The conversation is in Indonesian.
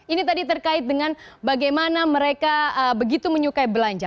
ini tadi terkait dengan bagaimana mereka begitu menyukai belanja